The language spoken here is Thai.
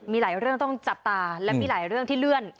มีหลายเรื่องต้องจับตาและมีหลายเรื่องที่เลื่อน